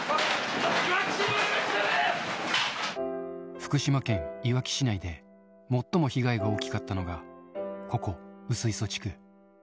福島県いわき市内で最も被害が大きかったのがここ、薄磯地区。